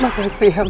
makasih ya tante